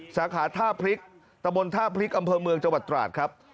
สาขาท่าพริกตะบนท่าพริกอำเภอเมืองจังหวัดตราดครับ